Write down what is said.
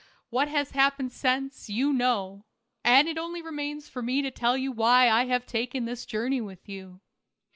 What has happened since you know ; and it only remains for me to tell you why I have taken this journey with you.